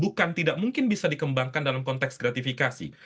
bukan tidak mungkin bisa dikembangkan dalam konteks gratifikasi